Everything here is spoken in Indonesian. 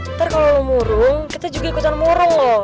ntar kalo lo murung kita juga ikut jangan murung lho